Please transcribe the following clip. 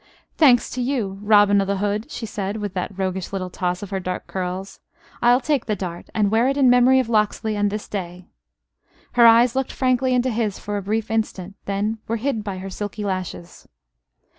"Thanks to you, Robin o' th' Hood," she said, with that roguish little toss of her dark curls; "I'll take the dart, and wear it in memory of Locksley and this day!" Her eyes looked frankly into his for a brief instant; then were hid by her silky lashes.